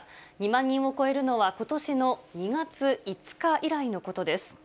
２万人を超えるのはことしの２月５日以来のことです。